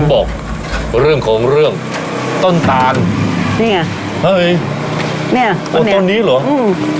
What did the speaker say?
บอกเรื่องของเรื่องต้นตานนี่ไงเฮ้ยเนี้ยโอ้ต้นนี้เหรออืม